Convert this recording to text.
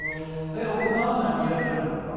お子さんは何人いらっしゃるんですか？